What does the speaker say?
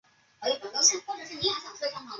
生长在山坡灌丛及高草丛中。